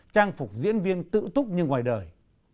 trang phục diễn viên tự túc như ngoài đời